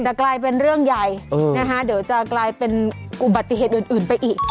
กลายเป็นเรื่องใหญ่นะคะเดี๋ยวจะกลายเป็นอุบัติเหตุอื่นไปอีก